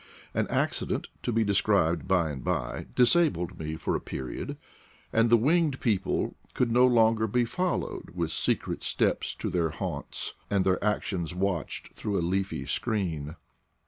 An accident, to be de scribed by and by, disabled me for a period, and the winged people could no longer be followed with secret steps to their haunts, and their actions watched through a leafy screen.